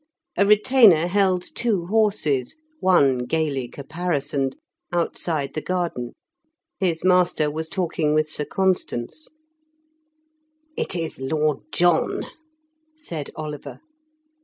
A retainer held two horses, one gaily caparisoned, outside the garden; his master was talking with Sir Constans. "It is Lord John," said Oliver.